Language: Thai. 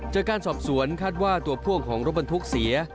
จากการสอบสวนคาดว่าตัวพ่วงของรถบรรทุกเสีย